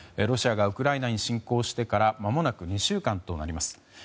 ロシアがウクライナに侵攻してからまもなく２週間となります。